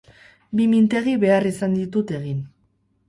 Bi mintegi behar izan ditut egin.